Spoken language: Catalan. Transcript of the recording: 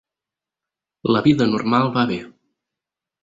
La vida normal va bé.